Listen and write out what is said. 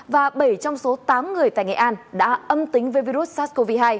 và bảy trong số tám người tại nghệ an đã âm tính với virus sars cov hai